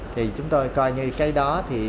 thì chúng tôi coi như cái đó thì